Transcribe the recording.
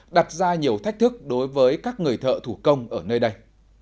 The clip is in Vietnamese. đặt ra nhiều thách thức đối với các người thợ thủ công ở nơi đây